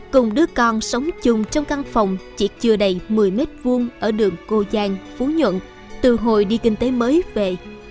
cùng đứa con sống chung trong căn phòng chỉ chưa đầy một mươi m hai ở đường cô giang phú nhuận từ hồi đi kinh tế mới về